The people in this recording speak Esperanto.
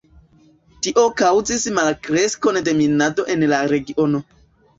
Tio kaŭzis malkreskon de minado en la regiono.